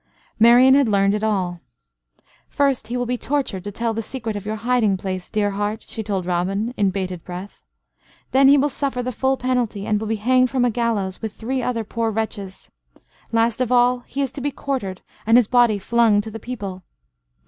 Marian had learned it all. "First, he will be tortured to tell the secret of your hiding place, dear heart," she told Robin, in bated breath. "Then he will suffer the full penalty, and will be hanged from a gallows with three other poor wretches. Last of all he is to be quartered, and his body flung to the people."